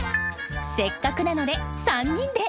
せっかくなので３人で。